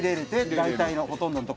大体のほとんどの所は。